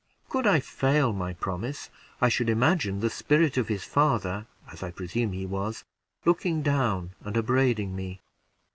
Could I fail my promise, I should imaging the spirit of his father (as I presume he was) looking down and upbraiding me.